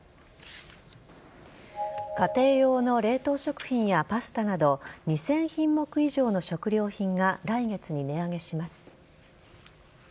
家庭用の冷凍食品やパスタなど２０００品目以上の食料品が来月に値上げします。